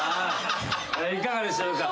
いかがでしょうか？